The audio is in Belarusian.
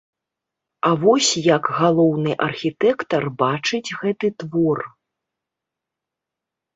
А вось як галоўны архітэктар бачыць гэты твор.